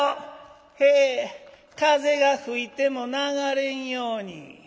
「へえ風が吹いても流れんように」。